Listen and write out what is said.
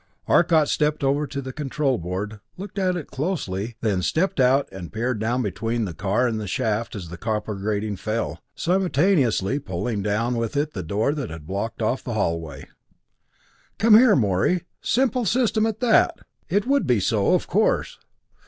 Arcot stepped over to the control board, looked at it closely, then stepped out and peered down between the car and the shaft as the copper grating fell, simultaneously pulling down with it the door that had blocked off the hallway. "Come here, Morey simple system at that! It would be so, of course.